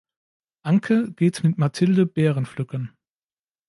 Anke geht mit Mathilde Beeren pflücken.